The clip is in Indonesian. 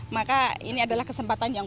maka ini adalah kesempatan yang